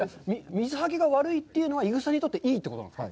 水はけが悪いというのは、いぐさにとって、いいってことなんですか？